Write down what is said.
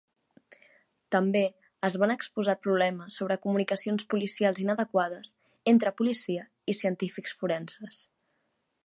També es van exposar problemes sobre comunicacions policials inadequades entre policia i científics forenses.